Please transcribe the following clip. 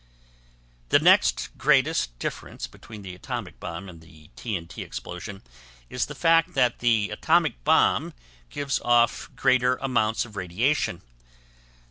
The next greatest difference between the atomic bomb and the T.N.T. explosion is the fact that the atomic bomb gives off greater amounts of radiation.